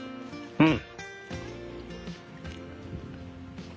うん。